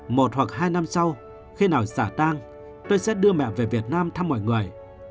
một hoặc hai năm sau khi nào xả tang tôi sẽ đưa mẹ về việt nam thăm mọi người